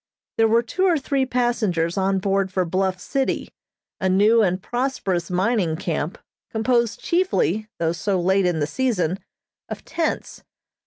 There were two or three passengers on board for Bluff City, a new and prosperous mining camp, composed chiefly, though so late in the season, of tents.